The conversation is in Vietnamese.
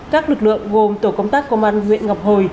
các lực lượng gồm tổ công tác công an huyện ngọc hồi